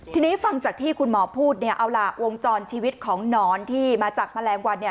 ทีนี้ฟังจากที่คุณหมอพูดเนี่ยเอาล่ะวงจรชีวิตของหนอนที่มาจากแมลงวันเนี่ย